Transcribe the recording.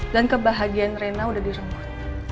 dan kebahagiaan reina sudah direbut